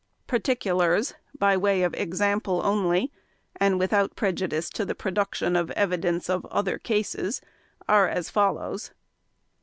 Particulars by way of example only and without prejudice to the production of evidence of other cases are as follows: 1.